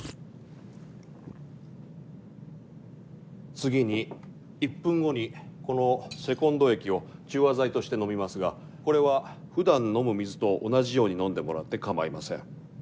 次に１分後にこのセコンド液を中和剤として飲みますがこれはふだん飲む水と同じように飲んでもらって構いません。